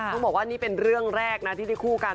ต้องบอกว่านี่เป็นเรื่องแรกนะที่ได้คู่กัน